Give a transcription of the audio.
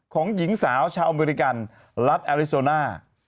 ของหญิงสาวชาวอเมริกันรัฐแอริโซน่า